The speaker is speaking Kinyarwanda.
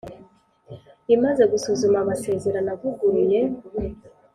Imaze gusuzuma amasezerano avuguruye